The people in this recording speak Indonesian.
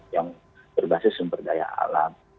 yang berbasis sumber daya alam